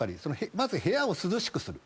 まず部屋を涼しくする。